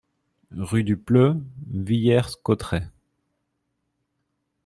Rue du Pleu, Villers-Cotterêts